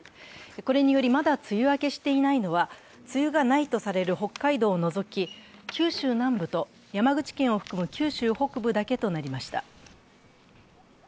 これにより、まだ梅雨明けしていないのは梅雨がないとされる北海道を除き、九州南部と山口県を含む九州北部だけとなりました。